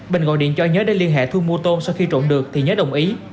bình gọi điện cho nhớ để liên hệ thu mua tôm sau khi trộm được thì nhớ đồng ý